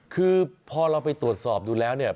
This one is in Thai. คือพอเราไปตรวจสอบดูแล้วเนี่ย